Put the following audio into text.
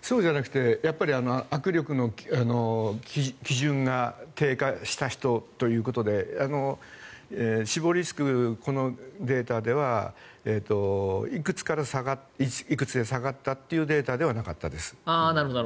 そうじゃなくて握力の基準が低下した人ということで死亡リスク、このデータではいくつで下がったというデータではなかったです。